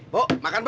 bu makan bu